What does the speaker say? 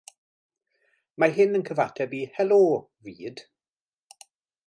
Mae hyn yn cyfateb i Helo, Fyd!